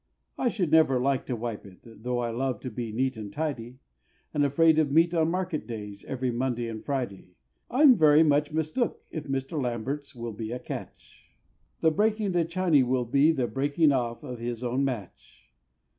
I should never like to wipe it, though I love to be neat and tidy, And afraid of meat on market days every Monday and Friday I'm very much mistook if Mr. Lambert's will be a catch; The breaking the Chiney will be the breaking off of his own match.